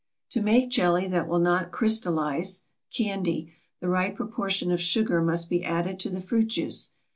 To make jelly that will not crystallize (candy) the right proportion of sugar must be added to the fruit juice.